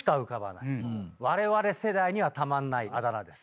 われわれ世代にはたまんないあだ名です。